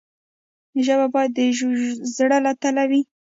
ژبه باید د زړه له تله وي.